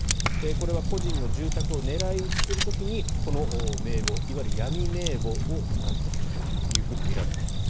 これは個人の住宅を狙い撃ちする時に、この名簿いわゆる闇名簿を使ったとみられています。